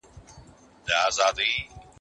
که تقاضا زیاته سي عرضه هم ورسره ډیریږي.